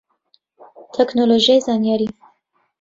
تەکنۆلۆژیای زانیاری